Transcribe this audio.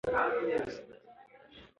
منظم پلان کول د وخت ضایع کېدو مخه نیسي